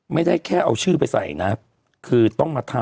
ไม่ได้แค่เอาชื่อไปใส่นะคือต้องมาทำ